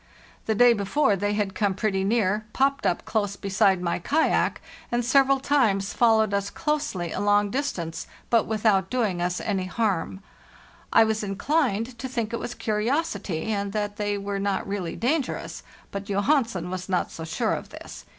The day before they had come pretty near, popped up close beside my kayak, and several times fol lowed us closely a long distance, but without doing us any harm. I was inclined to think it was curiosity, and that they were not really dangerous; but Johansen was not so sure of this.